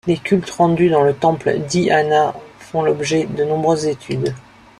Les cultes rendus dans le temple d'E-anna font l'objet de nombreuses études.